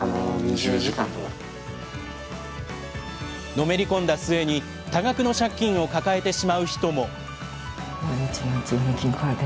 のめり込んだ末に多額の借金を抱えてしまう人も。